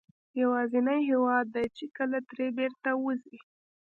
یوازینی هېواد دی چې کله ترې بېرته وځې.